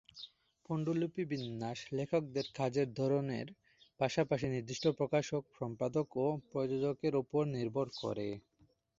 পাণ্ডুলিপি বিন্যাস লেখকদের কাজের ধরনের পাশাপাশি নির্দিষ্ট প্রকাশক, সম্পাদক বা প্রযোজকের উপর নির্ভর করে।